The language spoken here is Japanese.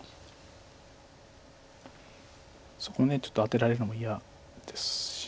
そこちょっとアテられるのも嫌ですし。